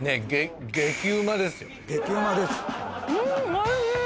おいしい！